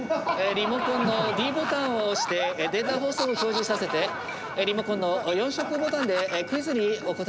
リモコンのｄボタンを押してデータ放送を表示させてリモコンの４色ボタンでクイズにお答え下さい。